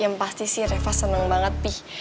yang pasti sih reva seneng banget pi